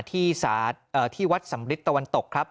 ที่วัดสำริทตะวันตกครับ